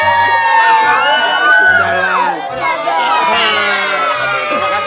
enggak ada uang untuk ganti